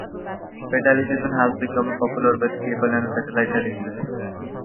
Pay television has become popular with cable and satellite television.